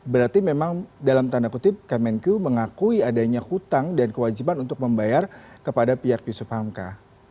berarti memang dalam tanda kutip kemenku mengakui adanya hutang dan kewajiban untuk membayar kepada pihak yusuf hamka